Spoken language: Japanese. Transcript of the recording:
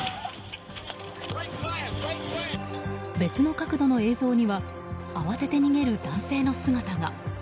別の角度の映像には慌てて逃げる男性の姿が。